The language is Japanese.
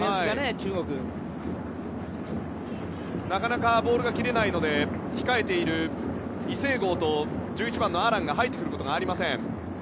なかなかボールが切れないので控えているイ・セゴウと１１番のアランが１１番のアランが入ってくることがありません。